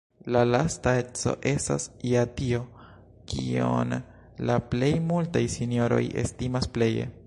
La lasta eco estas ja tio, kion la plej multaj sinjoroj estimas pleje.